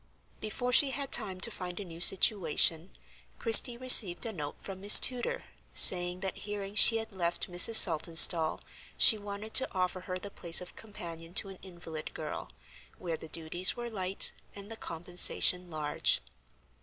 Before she had time to find a new situation, Christie received a note from Miss Tudor, saying that hearing she had left Mrs. Saltonstall she wanted to offer her the place of companion to an invalid girl, where the duties were light and the compensation large.